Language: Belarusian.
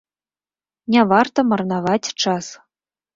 Не варта марнаваць час.